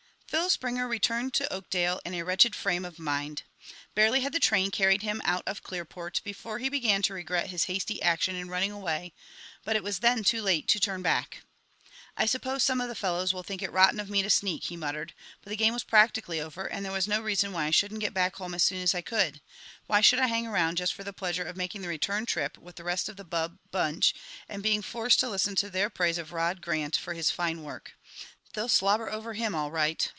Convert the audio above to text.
Phil Springer returned to Oakdale in a wretched frame of mind. Barely had the train carried him out of Clearport before he began to regret his hasty action in running away, but it was then too late to turn back. "I suppose some of the fellows will think it rotten of me to sneak," he muttered, "but the game was practically over, and there was no reason why I shouldn't get back home as soon as I could. Why should I hang round just for the pleasure of making the return trip with the rest of the bub bunch and being forced to listen to their praise of Rod Grant for his fine work! They'll slobber over him, all right.